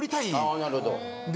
あなるほど。